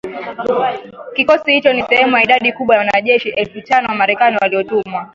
Kikosi hicho ni sehemu ya idadi kubwa ya wanajeshi elfu tano wa Marekani waliotumwa